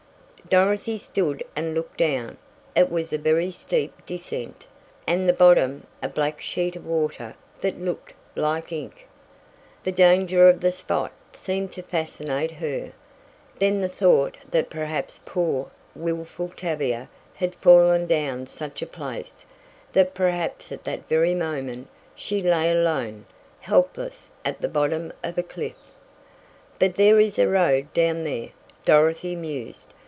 Dorothy stood and looked down. It was a very steep descent, and the bottom, a black sheet of water, that looked like ink. The danger of the spot seemed to fascinate her. Then the thought that perhaps poor, wilful Tavia had fallen down such a place; that perhaps at that very moment, she lay alone, helpless, at the bottom of a cliff! "But there is a road down there," Dorothy mused.